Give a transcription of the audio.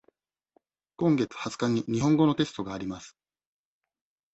今月二十日に日本語のテストがあります。